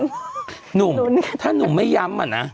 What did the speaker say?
ถนุนถ้าหนุนไม่ย้ำอ่ะนะ